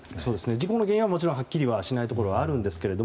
事故の原因はもちろんはっきりしないところはありますが。